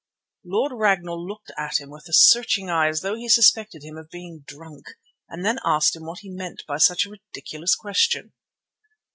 Lord Ragnall looked at him with a searching eye as though he suspected him of being drunk, and then asked what he meant by such a ridiculous question.